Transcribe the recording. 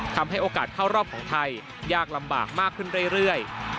ทำให้โอกาสเข้ารอบของไทยยากลำบากมากขึ้นเรื่อย